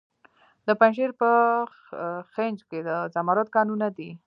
د پنجشیر په خینج کې د زمرد کانونه دي.